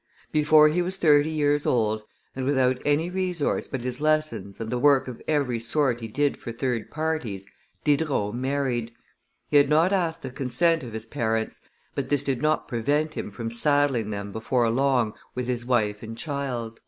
Before he was thirty years old, and without any resource but his lessons and the work of every sort he did for third parties, Diderot married; he had not asked the consent of his parents, but this did not prevent him from saddling them before long with his wife and child.